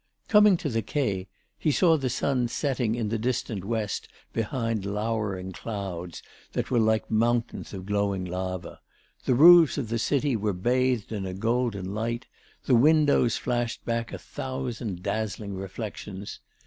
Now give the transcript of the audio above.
Coming to the Quais, he saw the sun setting in the distant west behind lowering clouds that were like mountains of glowing lava; the roofs of the city were bathed in a golden light; the windows flashed back a thousand dazzling reflections.